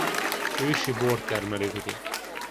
Ősi bortermelő vidék.